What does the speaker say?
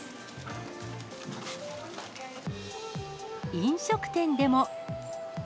飲食店でも。